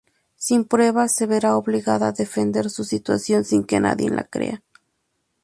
Sin pruebas, se verá obligada a defender su situación sin que nadie la crea.